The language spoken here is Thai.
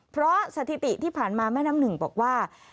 เพราะสถิติที่ผ่านมาแม่น้ำหนึ่งบอกว่า